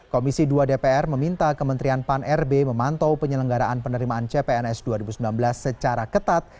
komisi dua dpr meminta kementerian pan rb memantau penyelenggaraan penerimaan cpns dua ribu sembilan belas secara ketat